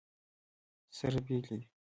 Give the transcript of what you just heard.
سره بېلې دي.